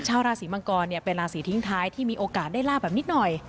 ชาวราศีมังกรเป็นราศีทิ้งท้ายที่มีโอกาสได้ลาบแบบนิดหน่อย